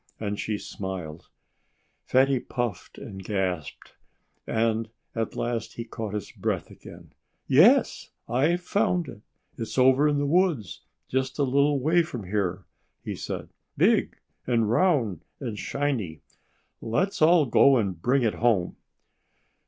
And she smiled. Fatty puffed and gasped. And at last he caught his breath again. "Yes I've found it! It's over in the woods just a little way from here!" he said. "Big, and round, and shiny! Let's all go and bring it home!"